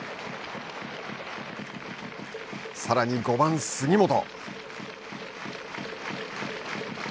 さらに、５番杉本。